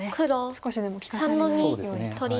少しでも利かされないようにと。